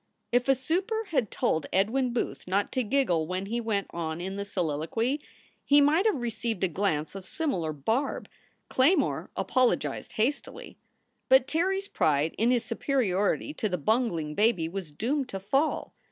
If a super had told Edwin Booth not to giggle when he went on in The Soliloquy, he might have received a glance of similar barb. Claymore apologized hastily. But Terry s pride in his superiority to the bungling baby was doomed to fall.